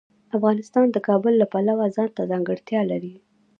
افغانستان د کابل د پلوه ځانته ځانګړتیا لري.